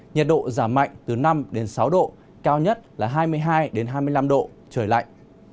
nhiệt độ giảm mạnh từ năm đến sáu độ cao nhất là hai mươi hai hai mươi năm độ trời lạnh